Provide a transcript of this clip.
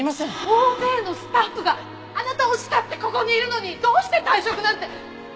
大勢のスタッフがあなたを慕ってここにいるのにどうして退職なんて。